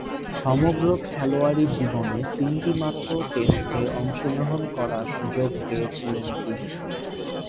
সমগ্র খেলোয়াড়ী জীবনে তিনটিমাত্র টেস্টে অংশগ্রহণ করার সুযোগ পেয়েছিলেন তিনি।